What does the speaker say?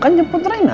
kan cepet rena